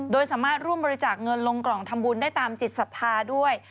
โดยสามารถร่วมบริจาคเงินลงกล่องทำบุญได้ตามจิตศรัทธาด้วย